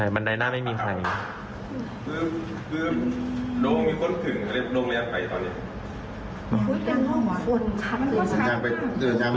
บันไดหน้าไม่มีใคร